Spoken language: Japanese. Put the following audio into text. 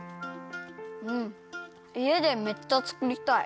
いえでめっちゃつくりたい。